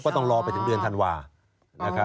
ก็ต้องรอไปถึงเดือนธันวาคม